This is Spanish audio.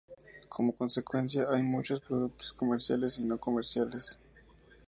Como consecuencia, hay muchos productos comerciales y no comerciales.